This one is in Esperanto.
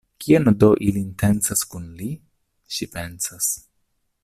Kion do ili intencas kun li?, ŝi pensas.